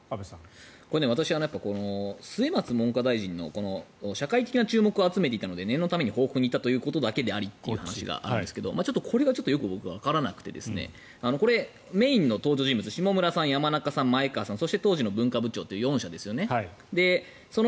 私は末松文科大臣の社会的な注目を集めていたので念のために報告に行ったということだけでありという話があるんですがちょっとこれは僕はわからなくてメインの登場人物は下村さん、山中さん、前川さんそして当時の文化部長の４名。